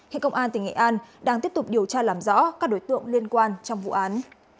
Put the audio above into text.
hiện công an tỉnh nghệ an đang tiếp tục điều tra làm rõ các đối tượng liên quan trong vụ án